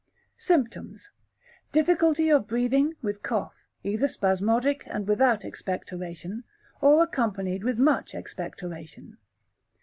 Symptoms. Difficulty of breathing, with cough, either spasmodic and without expectoration, or accompanied with much expectoration.